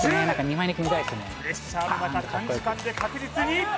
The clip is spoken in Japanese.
プレッシャーの中短時間で確実に！